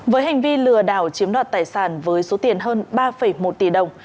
với hành vi lừa đảo chiếm đoạt tài sản với số tiền hơn ba một tỷ đồng